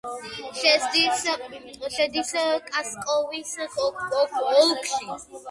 შედის ხასკოვოს ოლქში.